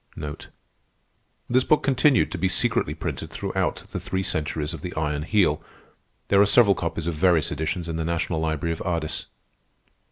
This book continued to be secretly printed throughout the three centuries of the Iron Heel. There are several copies of various editions in the National Library of Ardis.